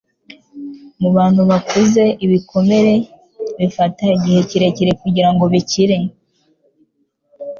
Mu bantu bakuze, ibikomere bifata igihe kirekire kugira ngo bikire.